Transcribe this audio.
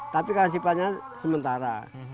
tapi kan sifatnya sementara